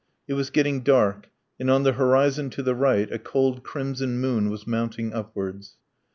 It was getting dark, and on the horizon to the right a cold crimson moon was mounting upwards.